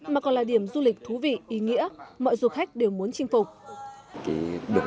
mà còn là điểm du lịch thú vị ý nghĩa mọi du khách đều muốn chinh phục